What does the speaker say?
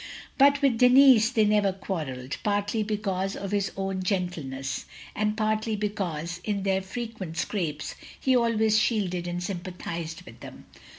But with Denis they never quarrelled, partly because of his own gentleness, and partly because in their frequent scrapes he always shielded and sympathised with them.